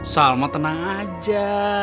salma tenang aja